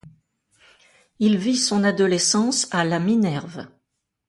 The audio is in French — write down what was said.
Il vit son adolescence à La Minerve.